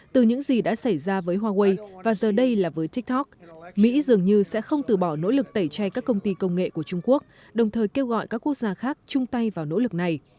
từ những gì đã xảy ra với huawei và giờ đây là với tiktok mỹ dường như sẽ không từ bỏ nỗ lực tẩy chay các công ty công nghệ của trung quốc đồng thời kêu gọi các quốc gia khác chung tay vào nỗ lực này